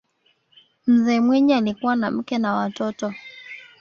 mzee mwinyi alikuwa na mke na watoto